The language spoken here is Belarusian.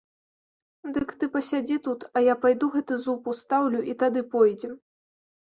Дык ты пасядзі тут, а я пайду гэты зуб устаўлю, і тады пойдзем.